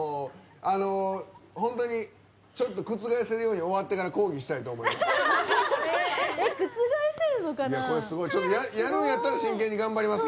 本当にちょっと覆せるように終わってから抗議したいと思います。